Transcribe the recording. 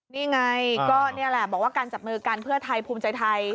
นี่ไงก็นี่แหละบอกว่าการจับมือกันเพื่อไทยภูมิใจไทย